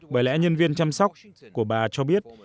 bởi lẽ nhân viên chăm sóc của bà cho biết